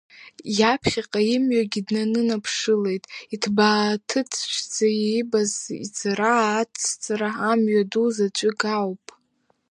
Иаԥхьаҟа имҩагьы днаныԥшылеит, иҭбааҭыцәӡа иибаз иҵара ацҵара амҩаду заҵәык ауп.